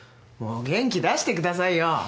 もう元気出してくださいよ。